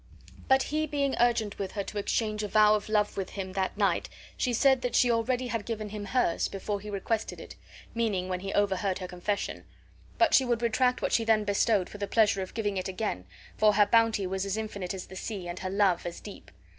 But he being urgent with her to exchange a vow of love with him that night, she said that she already had given him hers before he requested it, meaning, when he overheard her confession; but she would retract what she then bestowed, for the pleasure of giving it again, for her bounty was as infinite as the sea, and her love as deep.